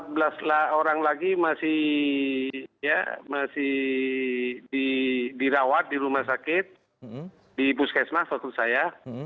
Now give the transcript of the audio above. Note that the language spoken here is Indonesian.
empat belas orang lagi masih dirawat di rumah sakit di puskesmas waktu saya